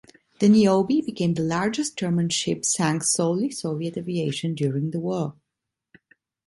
The Niobe became the largest German ship sank solely Soviet aviation during the war.